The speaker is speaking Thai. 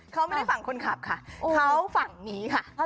เขาไม่ได้ฝั่งคนขับค่ะเขาฝั่งนี้ค่ะ